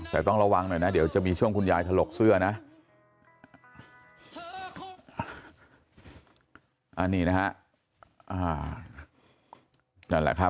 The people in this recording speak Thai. แต่ต้องระวังหน่อยนะเดี๋ยวจะมีช่วงคุณยายถลกเสื้อนะ